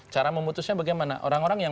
cara memutusnya bagaimana orang orang yang